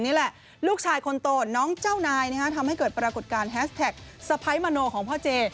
นี่แหละลูกชายคนโตน้องเจ้านายทำให้เกิดปรากฏการณ์แฮสแท็กสะพ้ายมโนของพ่อเจ